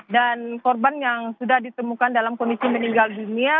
dan korban yang sudah ditemukan dalam kondisi meninggal dunia